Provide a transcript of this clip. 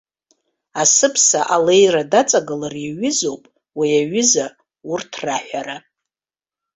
Асыԥса алеира даҵагылар иаҩызоуп уи аҩыза урҭ раҳәара.